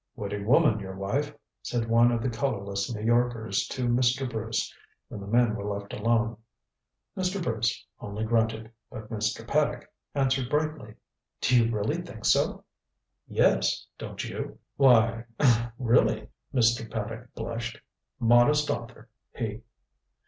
"Witty woman, your wife," said one of the colorless New Yorkers to Mr. Bruce, when the men were left alone. Mr. Bruce only grunted, but Mr. Paddock answered brightly: "Do you really think so?" "Yes. Don't you?" "Why er really " Mr. Paddock blushed. Modest author, he.